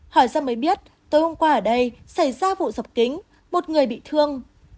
hỏi ra mới biết tối hôm qua ở đây xảy ra vụ dập kính một người bị thương